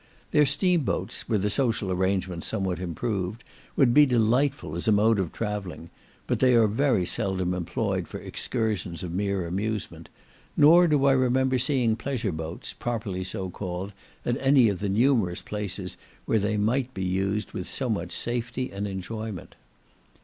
Their steam boats, were the social arrangements somewhat improved, would be delightful, as a mode of travelling; but they are very seldom employed for excursions of mere amusement: nor do I remember seeing pleasure boats, properly so called, at any of the numerous places where they might be used with so much safety and enjoyment.